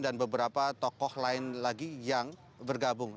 dan beberapa tokoh lain lagi yang bergabung